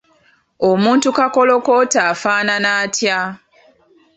Omuntu Kakolokooto afaanana atya?